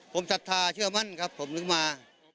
ผมศรัทธาเชื่อมั่นครับผมถึงมา